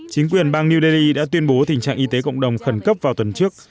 chính quyền bang new delhi đã tuyên bố tình trạng y tế cộng đồng khẩn cấp vào tuần trước